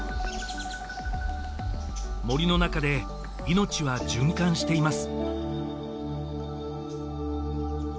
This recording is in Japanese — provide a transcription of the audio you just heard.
森の中で命は循環しています